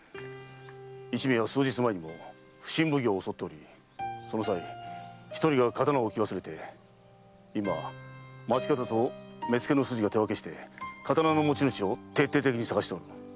一味は数日前にも普請奉行を襲っておりその際一人が刀を置き忘れて今町方と目付の筋が手分けして刀の持ち主を徹底的に探している。